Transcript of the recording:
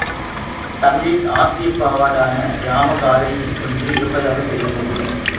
தமிழில் ஆசிரியப்பாவால் ஆன இராம காதை ஒன்று இருப்பதாகத் தெரிகிறது.